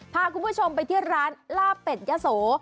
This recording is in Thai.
พาคุณผู้ชมไปที่ร้านลาบเป็ดยะโส